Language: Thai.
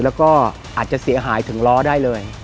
แล้วก็อาจจะเสียหายถึงล้อได้เลย